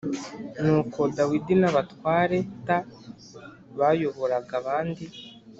Nuko Dawidi n abatware t bayoboraga abandi